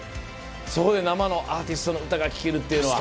そこで生のアーティストの歌が聴けるっていうのは。